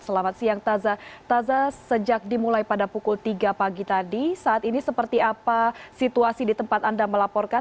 selamat siang taza taza sejak dimulai pada pukul tiga pagi tadi saat ini seperti apa situasi di tempat anda melaporkan